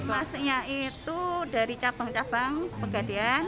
masnya itu dari cabang cabang pegadaian